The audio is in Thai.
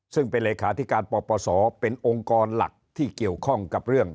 ซึ่งเป็นเลขาธิการปปศเป็นองค์กรหลักที่เกี่ยวข้องกับเรื่อง